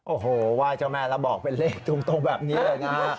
โอ้โหไหว้เจ้าแม่แล้วบอกเป็นเลขตรงแบบนี้เลยนะ